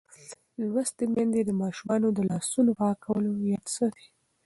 لوستې میندې د ماشومانو د لاسونو پاکولو یاد ساتي.